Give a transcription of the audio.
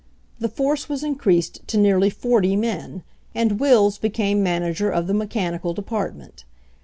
The force was increased to nearly forty men, and Wills became manager of the mechanical de partment.